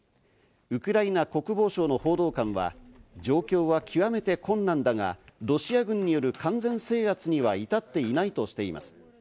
ウクライナ国防省の報道官は、状況は極めて困難だが、ロシア軍による完全制圧には至っていないとしています。